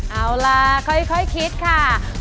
เอาล่ะค่อยคิดค่ะ